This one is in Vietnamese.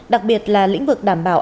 đặc biệt là lĩnh vực đảm bảo